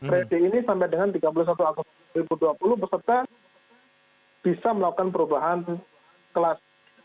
resi ini sampai dengan tiga puluh satu agustus dua ribu dua puluh peserta bisa melakukan perubahan kelas